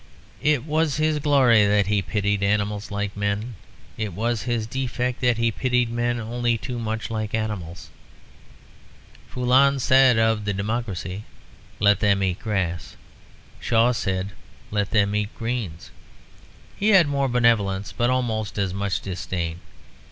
It was his glory that he pitied animals like men; it was his defect that he pitied men only too much like animals. Foulon said of the democracy, "Let them eat grass." Shaw said, "Let them eat greens." He had more benevolence, but almost as much disdain.